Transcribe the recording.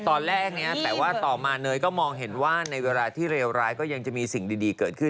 ตอนแรกเนี่ยแต่ว่าต่อมาเนยก็มองเห็นว่าในเวลาที่เลวร้ายก็ยังจะมีสิ่งดีเกิดขึ้น